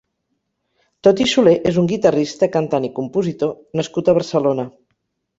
Toti Soler és un guitarrista, cantant i compositor nascut a Barcelona.